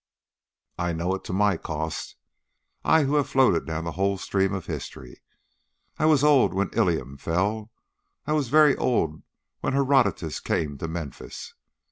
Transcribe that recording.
I know it to my cost, I who have floated down the whole stream of history. I was old when Ilium fell. I was very old when Herodotus came to Memphis.